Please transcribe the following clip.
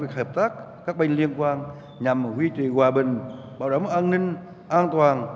về hợp tác các bên liên quan nhằm quy trì hòa bình bảo đảm an ninh an toàn